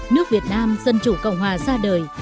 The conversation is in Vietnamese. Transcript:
nước việt nam dân chủ cộng hòa ra đời